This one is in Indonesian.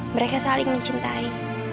mereka saling mencintai